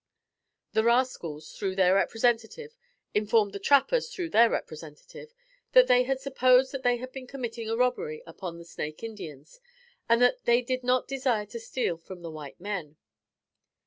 The rascals, through their representative, informed the trappers through their representative, that they had supposed that they had been committing a robbery upon the Snake Indians; and, that they did not desire to steal from the white men.